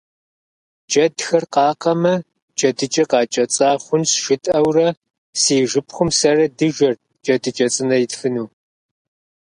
Джэдхэр къакъэмэ, «джэдыкӏэ къакӏэцӏа хъунщ» жытӏэурэ, си шыпхъум сэрэ дыжэрт джэдыкӏэ цӏынэ итфыну.